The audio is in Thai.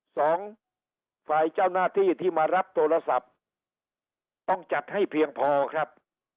สองฝ่ายเจ้าหน้าที่ที่มารับโทรศัพท์ต้องจัดให้เพียงพอครับ